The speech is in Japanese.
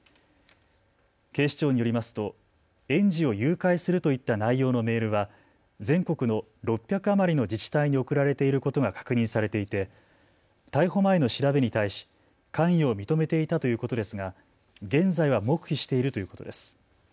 警視庁によりますと園児を誘拐するといった内容のメールは全国の６００余りの自治体に送られていることが確認されていて逮捕前の調べに対し関与を認めていたということですが現在は黙秘しているということです。